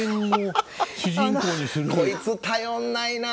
「こいつ頼んないな。